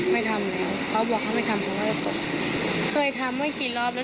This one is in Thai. ไม่ทำแล้วเขาบอกเขาไม่ทำเขาก็ตกเคยทำไม่กี่รอบแล้ว